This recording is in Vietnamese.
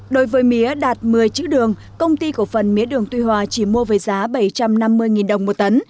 đối với mía đạt một mươi chữ đường công ty cổ phần mía đường tuy hòa chỉ mua với giá bảy trăm năm mươi đồng một tấn